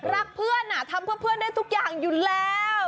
รักเพื่อนทำเพื่อเพื่อนได้ทุกอย่างอยู่แล้ว